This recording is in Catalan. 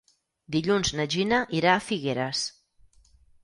Dilluns na Gina irà a Figueres.